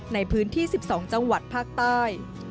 ในพื้นที่๑๒จังหวัดภาคใต้